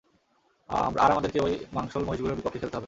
আর আমাদেরকে ওই মাংসল মহিষগুলোর বিপক্ষে খেলতে হবে।